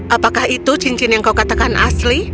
apakah itu cincin yang kau katakan asli